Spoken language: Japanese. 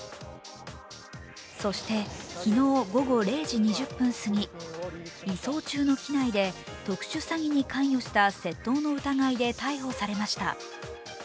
そして昨日午後０時２０分すぎ、移送中の機内で、特殊詐欺に関与した窃盗の疑いで逮捕されました。